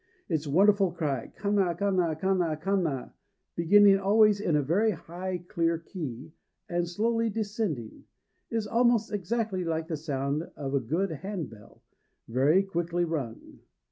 Its wonderful cry, kana kana kana kana kana, beginning always in a very high clear key, and slowly descending, is almost exactly like the sound of a good hand bell, very quickly rung.